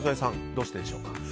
どうしてでしょうか。